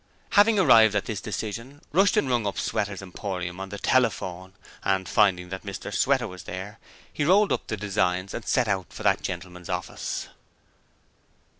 Having arrived at this decision, Rushton rung up Sweater's Emporium on the telephone, and, finding that Mr Sweater was there, he rolled up the designs and set out for that gentleman's office.